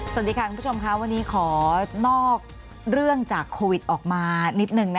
สวัสดีค่ะคุณผู้ชมค่ะวันนี้ขอนอกเรื่องจากโควิดออกมานิดนึงนะคะ